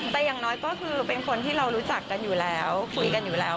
แต่อย่างน้อยก็คือเป็นคนที่เรารู้จักกันอยู่แล้วคุยกันอยู่แล้ว